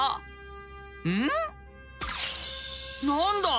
何だ？